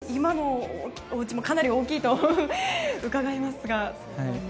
今のおうちもかなり大きいと伺いますが。